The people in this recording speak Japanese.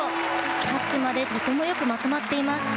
キャッチまでとてもよくまとまっています。